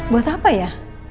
buat apa ya